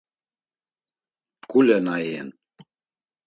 Mǩule na iyen.